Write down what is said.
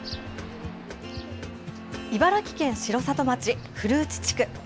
茨城県城里町古内地区。